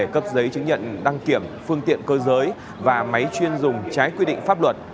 cấp giấy chứng nhận đăng kiểm phương tiện cơ giới và máy chuyên dùng trái quy định pháp luật